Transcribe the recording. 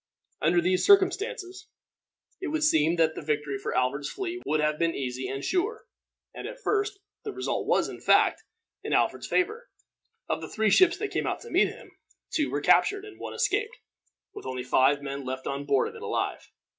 Under these circumstances, it would seem that the victory for Alfred's fleet would have been easy and sure; and at first the result was, in fact, in Alfred's favor. Of the three ships that came out to meet him, two were captured, and one escaped, with only five men left on board of it alive.